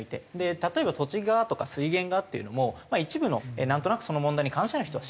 例えば土地がとか水源がっていうのも一部のなんとなくその問題に関心ある人は知ってる。